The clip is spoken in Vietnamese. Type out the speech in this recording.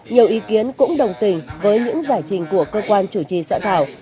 nhiều ý kiến cũng đồng tình với những giải trình của cơ quan chủ trì soạn thảo